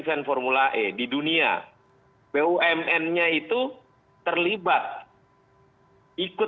dengan nanas diunikku